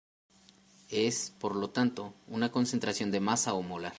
Es, por lo tanto, una concentración de masa o molar.